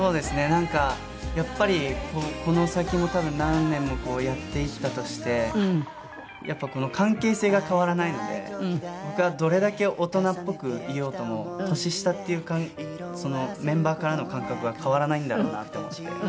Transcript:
なんかやっぱりこの先も多分何年もやっていったとしてやっぱこの関係性が変わらないので僕がどれだけ大人っぽくいようとも年下っていうメンバーからの感覚は変わらないんだろうなと思って。